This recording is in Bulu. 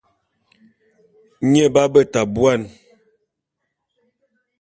Nye b'abeta buan.